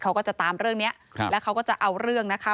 เขาก็จะตามเรื่องนี้แล้วเขาก็จะเอาเรื่องนะคะ